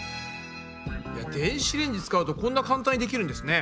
電子レンジ使うとこんな簡単にできるんですね。